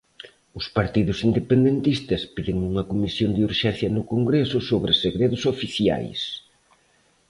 Os partidos independentistas piden unha comisión de urxencia no Congreso sobre segredos oficiais.